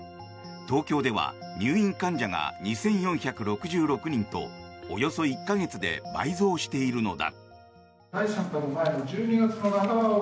東京では入院患者が２４６６人とおよそ１か月で倍増しているのだ。